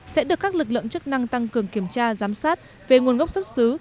sẽ được các lực lượng chức năng tăng cường kiểm tra giám sát về nguồn gốc xuất xứ